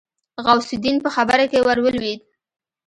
غوث الدين په خبره کې ورولوېد.